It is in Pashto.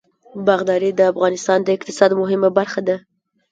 باغداري د افغانستان د اقتصاد مهمه برخه ده.